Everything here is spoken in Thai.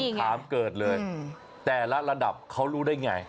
ถามเกิดเลยแต่ละระดับเขารู้ได้ไง